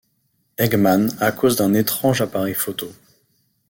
Eggman, à cause d'un étrange appareil photo.